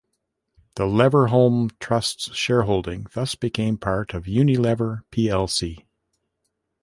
The Leverhulme Trust's shareholding thus became part of Unilever plc.